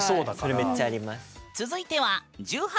それめっちゃあります。